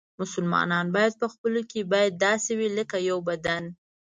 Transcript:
مسلمانان باید په خپلو کې باید داسې وي لکه یو بدن.